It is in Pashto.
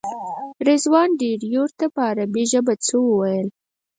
رضوان ډریور ته په عربي ژبه څه وویل.